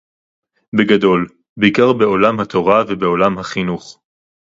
בגדול, בעיקר בעולם התורה ובעולם החינוך